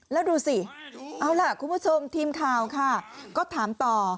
แล้วดูสิเอาล่ะคุณผู้ชมทีมข่าวค่ะก็ถามต่อ